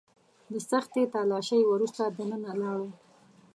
د سختې تلاشۍ وروسته دننه لاړو.